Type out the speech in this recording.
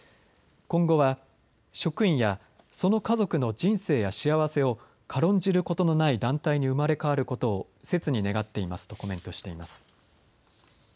今後は職員やその家族の人生や幸せを軽んじることのない団体に生まれ変わることをせつに願っていますとコメントしています。